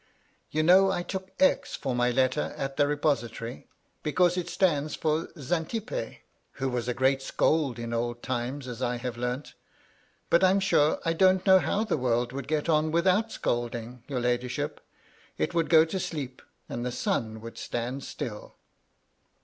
You know I took X. for my letter at the repository, because it stands for Xantippe, who was a great scold in old times, as I have learnt. But I'm sure I don't know how the world would get on without scolding, your ladyship. It would go to sleep, and the sun would stand still.''